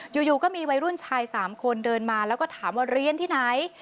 อยู่ก็มีวัยรุ่นชาย๓คนเดินมาแล้วก็ถามว่าเรียนที่ไหน